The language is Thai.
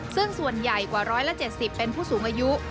ซึ่งส่วนใหญ่กว่า๑๗๐เป็นผู้สูงอายุ